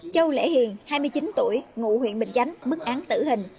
châu lễ hiền hai mươi chín tuổi ngụ huyện bình chánh mức án tử hình